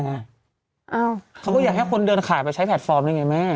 เขาก็อยากให้คนเดินขายไปใช้แพลตฟอร์มได้ไงแม่